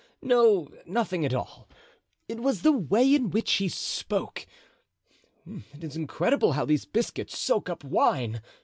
no, nothing at all. It was the way in which he spoke. It is incredible how these biscuit soak up wine!